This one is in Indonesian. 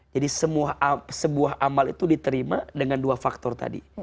jadi sebuah amal itu diterima dengan dua faktor tadi